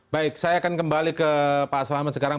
baik saya akan kembali ke pak selamat sekarang